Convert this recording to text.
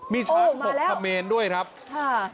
มีช้างหกคเมนด้วยครับค่ะโอ้มาแล้ว